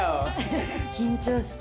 緊張した。